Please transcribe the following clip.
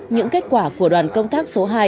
những kết quả của đoàn công tác số hai